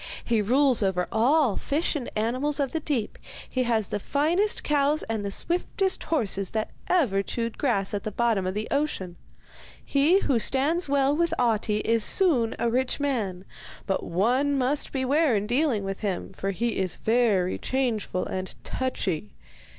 He rules over all fish and animals of the deep; he has the finest cows and the swiftest horses that ever chewed grass at the bottom of the ocean. He who stands well with Ahti is soon a rich man, but one must beware in dealing with him, for he is very changeful and touchy.